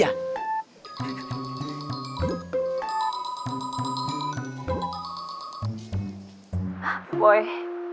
yang berpengalaman kebenaran